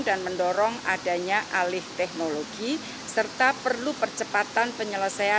dan mendorong adanya alih teknologi serta perlu percepatan penyelesaian studi kelayakan